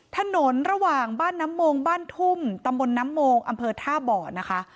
ถนนระหว่างบ้านน้ำโมงบ้านทุ่มตำบลน้ำโมงอำเภอท่าบ่อนะคะ